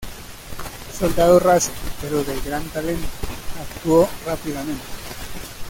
Soldado raso, pero de gran talento, actuó rápidamente.